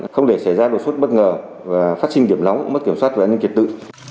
không để xảy ra đột xuất bất ngờ phát sinh điểm nóng mất kiểm soát và an ninh kiệt tự